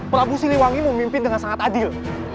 prabu siliwangi memimpin dengan sangat adil